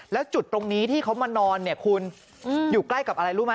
แล้วจุดตรงนี้ที่เขามานอนเนี่ยคุณอยู่ใกล้กับอะไรรู้ไหม